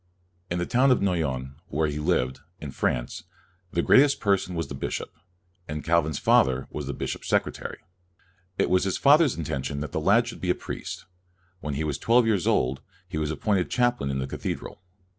In the town of Noyon, where he lived, in France, the greatest person was the bishop, and Calvin's father was the bishop's secretary. It was his father's in tention that the lad should be a priest. When he was twelve years old, he was appointed chaplain in the cathedral.